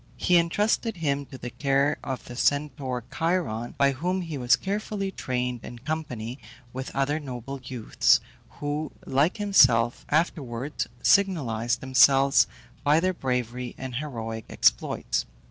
He intrusted him to the care of the Centaur Chiron, by whom he was carefully trained in company with other noble youths, who, like himself, afterwards signalized themselves by their bravery and heroic exploits.